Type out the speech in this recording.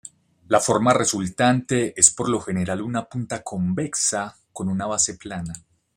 La forma resultante es por lo general una punta convexa con una base plana.